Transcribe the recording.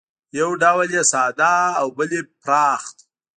یو ډول یې ساده او بل یې پراخ دی